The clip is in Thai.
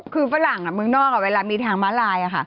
คือฝรั่งเมืองนอกเวลามีทางม้าลาย